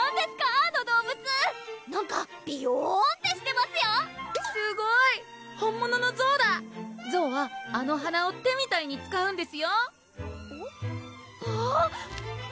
あの動物なんかびよんってしてますよすごい本物のゾウだゾウはあの鼻を手みたいに使うんですよあぁ！